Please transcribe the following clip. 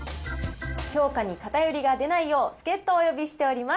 評価に偏りが出ないよう、助っ人をお呼びしております。